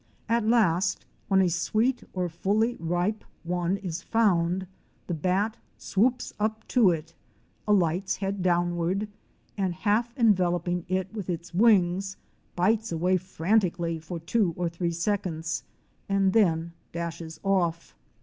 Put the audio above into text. At last when a sweet or fully ripe one is found, the bat swoops up to it, alights head downward, and half enveloping it with his wings, bites away frantically for two or three seconds and then dashes off.